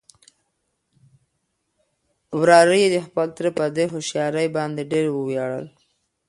وراره يې د خپل تره په دې هوښيارۍ باندې ډېر ووياړل.